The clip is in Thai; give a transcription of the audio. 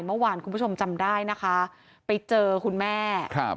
เมื่อวานคุณผู้ชมจำได้นะคะไปเจอคุณแม่ครับ